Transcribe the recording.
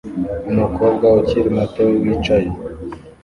Umukobwa ukiri muto wicaye